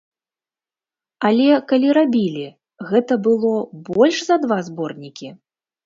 Але калі рабілі, гэта было больш за два зборнікі?